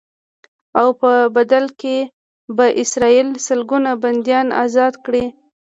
او په بدل کې به اسرائیل سلګونه بنديان ازاد کړي.